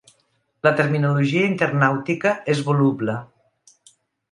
La terminologia internàutica és voluble.